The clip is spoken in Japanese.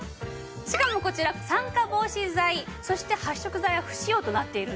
しかもこちら酸化防止剤そして発色剤は不使用となっているんですね。